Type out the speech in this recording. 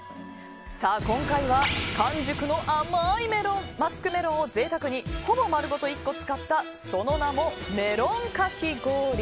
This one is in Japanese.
今回は完熟の甘いマスクメロンを贅沢に、ほぼ丸ごと１個使ったその名もメロンかき氷。